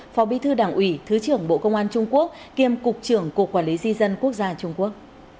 phó bí thư đảng ủy thứ trưởng bộ công an trung quốc kiêm cục trưởng cục quản lý di dân quốc gia trung quốc